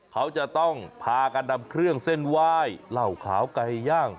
เขาจะต้องพากันนำเครื่องเส้นไหว้เหล่าขาวไก่ย่าง